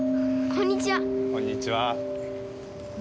こんにちは。